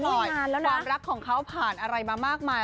นี่เมื่องานแล้วนะความรักของเขาผ่านอะไรมามากมาย